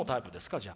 じゃあ。